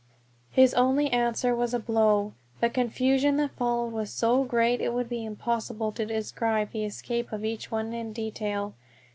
His only answer was a blow. The confusion that followed was so great it would be impossible to describe the escape of each one in detail.